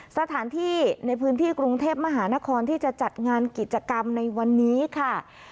สถานที่ในพื้นที่กรุงเทพมหานครที่จะจัดงานกิจกรรมในวันนี้ค่ะ